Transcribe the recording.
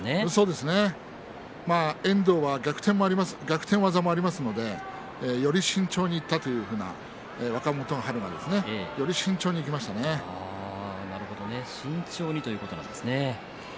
遠藤は逆転技もありますのでより慎重にいったというふうな若元春が慎重にということなんですね。